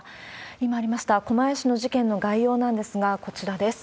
今ありました狛江市の事件の概要なんですが、こちらです。